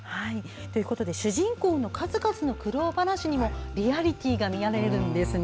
主人公の数々の苦労話にもリアリティーが見られるんですね。